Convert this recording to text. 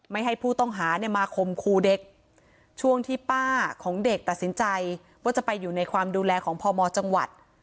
ให้ผู้ต้องหาเนี่ยมาคมครูเด็กช่วงที่ป้าของเด็กตัดสินใจว่าจะไปอยู่ในความดูแลของพมจังหวัด